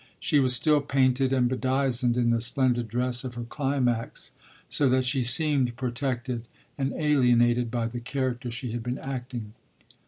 She was still painted and bedizened, in the splendid dress of her climax, so that she seemed protected and alienated by the character she had been acting.